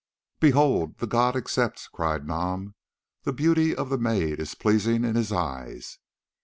"Behold, the god accepts," cried Nam, "the beauty of the maid is pleasing in his eyes.